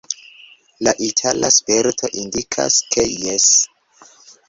La itala sperto indikas, ke jes.